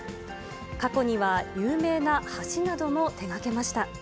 過去には有名な橋なども手がけました。